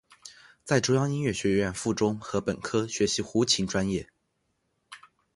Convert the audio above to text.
在中央音乐学院附中和本科学习胡琴专业。